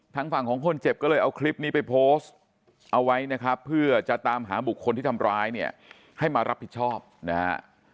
ทางฝั่งของคนเจ็บก็เลยเอาคลิปนี้ไปโพสต์เอาไว้นะครับเพื่อจะตามหาบุคคลที่ทำร้ายเนี่ยให้มารับผิดชอบนะฮะ